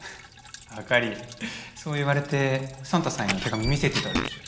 朱莉そう言われてサンタさんへの手紙見せてたでしょ。